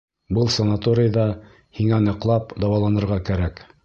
Был санаторийҙа һиңә ныҡлап дауаланырға кәрәк.